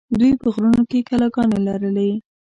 دوی په غرونو کې کلاګانې لرلې